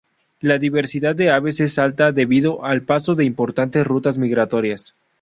La diversidad de aves es alta, debido al paso de importantes rutas migratorias.